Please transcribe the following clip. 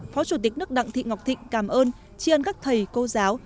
phó chủ tịch nước đặng thị ngọc thịnh cảm ơn chi ơn các thầy cô giáo